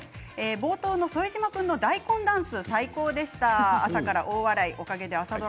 冒頭の副島君の大根ダンス最高でした、朝からお笑い。